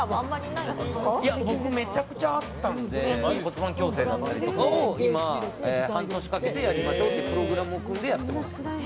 いや僕めちゃくちゃあったので骨盤矯正とかを今、半年かけてやりましょうというプログラムを組んで今、やってます。